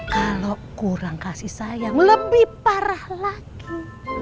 kalau kurang kasih sayang lebih parah lagi